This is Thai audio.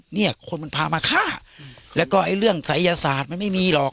เนี่ยคนมันพามาฆ่าแล้วก็ไอ้เรื่องศัยศาสตร์มันไม่มีหรอก